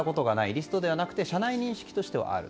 リストではなく社内認識としてはある。